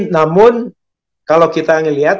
namun kalau kita melihat